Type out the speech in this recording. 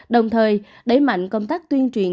đồng thời đẩy mạnh công tác tuyên truyền